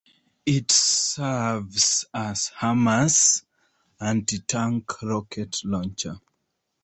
It serves as Hamas' anti-tank rocket launcher.